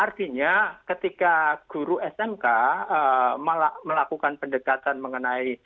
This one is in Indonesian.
artinya ketika guru smk melakukan pendekatan mengenai virtual laboratorium